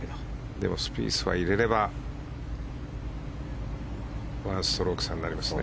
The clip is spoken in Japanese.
でもスピースは入れれば１ストローク差になりますね。